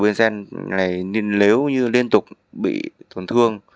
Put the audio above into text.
nếu như liên tục bị tổn thương